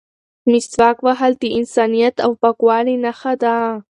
مسواک وهل د انسانیت او پاکوالي نښه ده.